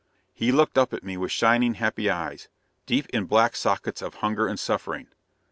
He looked up at me with shining, happy eyes, deep in black sockets of hunger and suffering.